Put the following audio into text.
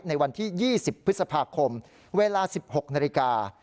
ในวันที่๒๐พฤษภาคมเวลา๑๖นาฬิกา